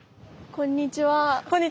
こんにちは。